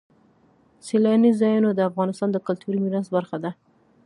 سیلاني ځایونه د افغانستان د کلتوري میراث برخه ده.